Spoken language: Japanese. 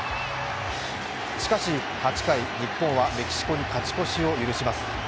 しかし８回、日本はメキシコに勝ち越しを許します。